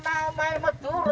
jangan ada corona